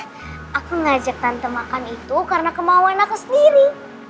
aku ngajak tante makan itu karena kemauan aku sendiri